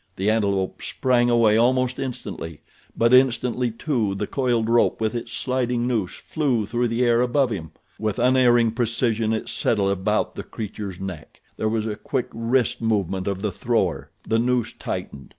The antelope sprang away almost instantly; but instantly, too, the coiled rope, with its sliding noose, flew through the air above him. With unerring precision it settled about the creature's neck. There was a quick wrist movement of the thrower, the noose tightened.